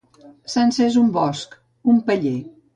S'ha encès un bosc, un paller.